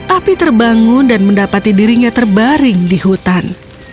api terbangun dan mendapati dirinya terbaring di hutan